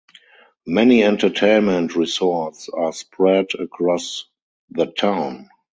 Many entertainment resorts are spread across the town.